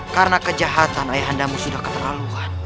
karena kejahatan ayahandamu sudah keterlaluan